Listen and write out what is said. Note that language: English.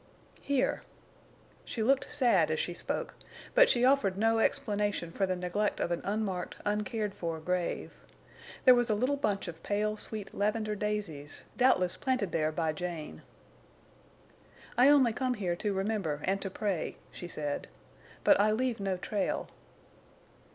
"Here!" She looked sad as she spoke, but she offered no explanation for the neglect of an unmarked, uncared for grave. There was a little bunch of pale, sweet lavender daisies, doubtless planted there by Jane. "I only come here to remember and to pray," she said. "But I leave no trail!"